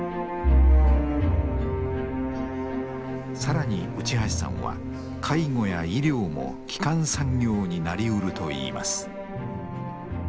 更に内橋さんは介護や医療も基幹産業になりうると言います。